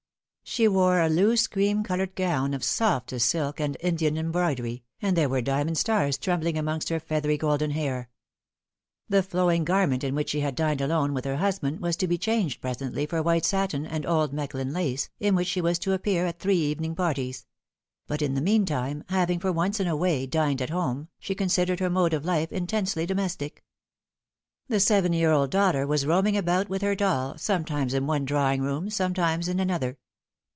She wore a loose cream coloured gown, of softest silk and Indian embroidery, and there were diamond stars trembling amongst her feathery golden hair. The flowing garment in which she had dined alone with her husband was to be changed pre sently for white satin and old Mechlin lace, in which she was to appear at three evening parties ; but in the meantime, having for once in a way dined at home, she considered her mode of lif e intensely domestic. The seven year old daughter was roaming about with her doll, sometimes in one drawing room, sometimes in another.